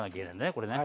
これね。